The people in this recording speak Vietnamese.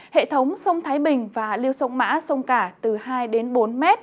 hệ thống sông thái bình và liêu sông mã sông cả từ hai đến bốn m